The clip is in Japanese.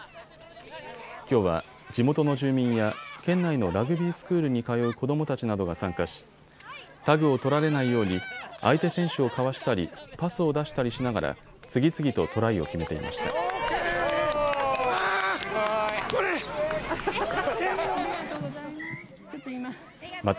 きょうは地元の住民や県内のラグビースクールに通う子どもたちなどが参加し、タグを取られないように相手選手をかわしたり、パスを出したりしながら次々とトライを決めていました。